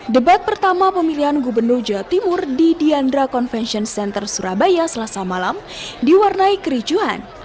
debat pertama pemilihan gubernur jawa timur di diandra convention center surabaya selasa malam diwarnai kericuhan